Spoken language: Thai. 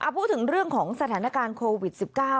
พูดถึงเรื่องของสถานการณ์โควิด๑๙